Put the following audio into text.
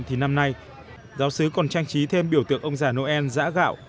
thì năm nay giáo sứ còn trang trí thêm biểu tượng ông già noel giã gạo